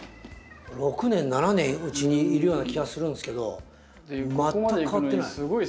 ６年７年うちにいるような気がするんすけど全く変わってない。